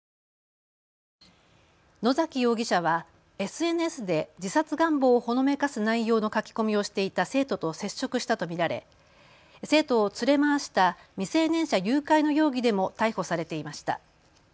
野崎容疑者はＳＮＳで自殺願望をほのめかす内容の書き込みをしていた生徒と接触したと見られ生徒を連れ回した未成年者誘拐の容疑でも逮捕されていました。